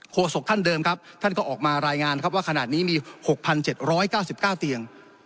โฆษกท่านเดิมครับท่านก็ออกมารายงานครับว่าขนาดนี้มีหกพันเจ็ดร้อยเก้าสิบเก้าเตียง